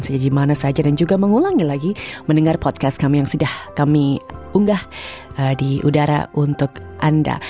saya gimana saja dan juga mengulangi lagi mendengar podcast kami yang sudah kami unggah di udara untuk anda